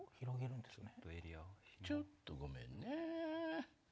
ちょっとごめんね。